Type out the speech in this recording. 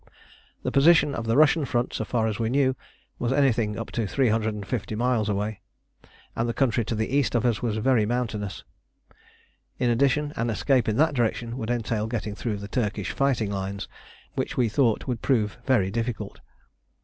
The position of the Russian front, so far as we knew, was anything up to 350 miles away, and the country to the east of us was very mountainous. In addition, an escape in that direction would entail getting through the Turkish fighting lines, which we thought would prove very difficult.